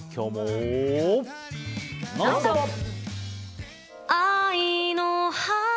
「ノンストップ！」。